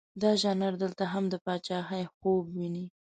دا ژانر دلته هم د پاچهي خوب ویني.